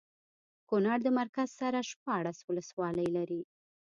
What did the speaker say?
کونړ د مرکز سره شپاړس ولسوالۍ لري